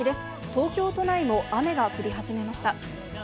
東京都内も雨が降り始めました。